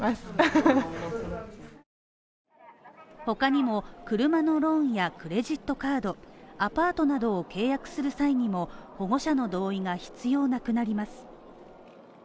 他にも車のローンやクレジットカードアパートなどを契約する際にも保護者の同意が必要なくなります。